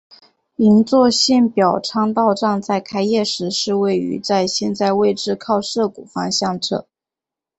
银座线表参道站在开业时是位在现在位置靠涩谷方向侧。